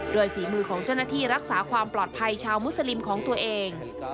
โดยฝีมือของเจ้าหน้าที่รักษาความปลอดภัยชาวมุสลิมของตัวเอง